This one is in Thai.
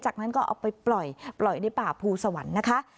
จากนั้นก็เอาไปปล่อยในป่าภูสวรรค์นะคะ